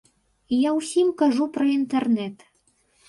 І я ўсім кажу пра інтэрнэт.